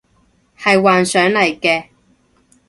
係幻想嚟嘅